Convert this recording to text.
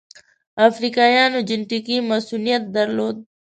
افریقایانو جنټیکي مصوونیت درلود.